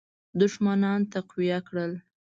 دښمنان تقویه کړل.